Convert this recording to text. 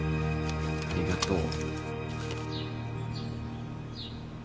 ありがとう。